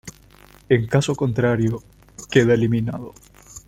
En caso contrario, queda eliminado.